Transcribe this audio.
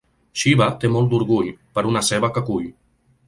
Xiva té molt d'orgull, per una ceba que cull.